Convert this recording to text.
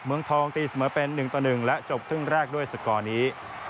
เมืองทองตีเสมอเป็น๑ต่อ๑และจบครึ่งแรกด้วยสกอร์นี้